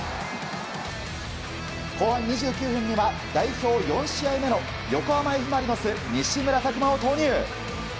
後半２９分には、代表４試合目の横浜Ｆ・マリノス西村拓真を投入。